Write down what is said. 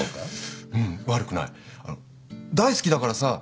大好きだからさ